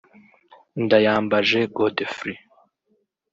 Ndayambaje Godfrey